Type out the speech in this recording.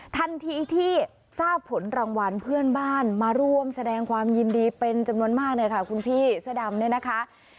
ทันทีที่ทราบผลรางวัลเพื่อนบ้านมาร่วมแสดงความยินดีเป็นจำนวนมากเลยค่ะคุณพี่เสื้อดำเนี่ยนะคะ